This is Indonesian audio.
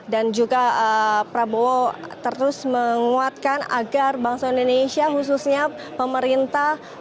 dan juga prabowo terus menguatkan agar bangsa indonesia khususnya pemerintah